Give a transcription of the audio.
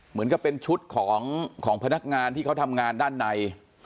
เหมือนกับเป็นชุดของพนักงานที่เขาทำงานด้านใน